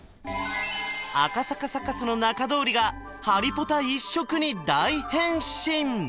赤坂サカスの仲通りがハリポタ一色に大変身